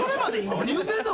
何言うてんの？